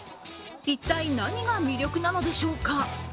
一体、何が魅力なのでしょうか。